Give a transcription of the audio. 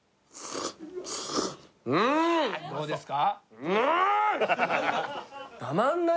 うんどうですか？